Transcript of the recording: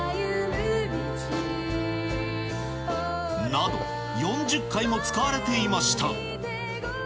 など、４０回も使われていました。